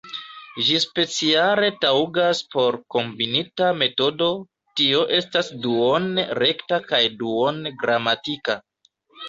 Ĝi speciale taŭgas por kombinita metodo, tio estas duone rekta kaj duone gramatika.